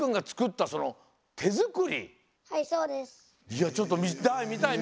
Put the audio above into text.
いやちょっと見たい見たい！